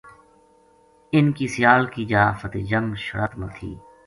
اِنھ کی سیال کی جا فتح جنگ شڑت ما تھی